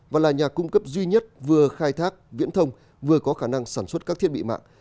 và là nhà cung cấp duy nhất vừa khai thác viễn thông vừa có khả năng sản xuất các thiết bị mạng